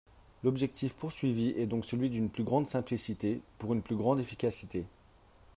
L’objectif poursuivi est donc celui d’une plus grande simplicité, pour une plus grande efficacité.